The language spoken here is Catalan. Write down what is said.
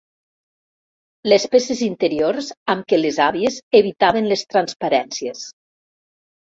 Les peces interiors amb què les àvies evitaven les transparències.